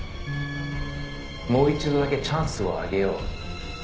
「もう一度だけチャンスをあげよう」